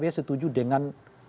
apakah pkb setuju dengan